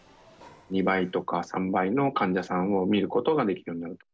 ２倍とか３倍の患者さんを診ることができるようになると。